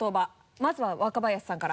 まずは若林さんから。